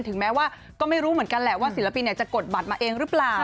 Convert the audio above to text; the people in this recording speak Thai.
ถึงแม้ว่าก็ไม่รู้เหมือนกันแหละว่าศิลปินจะกดบัตรมาเองหรือเปล่า